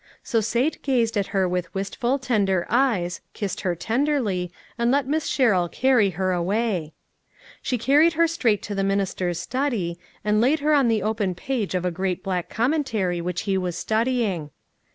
So Sate gazed at her with wistful, tender eyes, kissed her tenderly, and let Miss Sherrill carry her away. She carried her straight to the minister's study, and laid her on the open page of a great black commentary which he was studying.